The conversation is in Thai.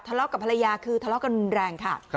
ทะเลาะกับภรรยาคือทะเลาะกันแรงค่ะ